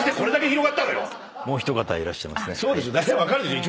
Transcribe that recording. もう一方いらっしゃいますね。